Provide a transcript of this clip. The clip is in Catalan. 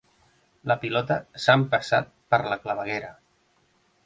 La pilota s'ha empassat per la claveguera.